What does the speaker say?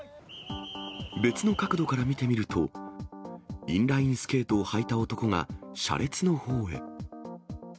別の角度から見てみると、インラインスケートを履いた男が、車列のほうへ。